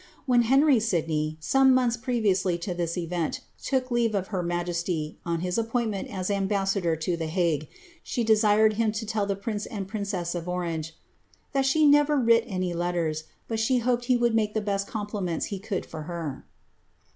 When Henry Sidney, some months prcviouslf to tliis event, took leave of her majesty, on his appointment as ambtf sador to the Hague, she desired him to tell the prince and princess of Orange, ^' that she never writ any letters, but she hoped he would mslu the best compliments he could for her.